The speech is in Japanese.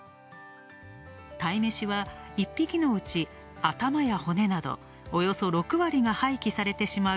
鯛めしは１匹のうち、頭や骨など、およそ６割が廃棄されてしまう。